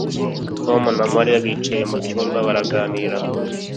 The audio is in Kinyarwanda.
Tom na Mariya bicaye mucyumba baraganira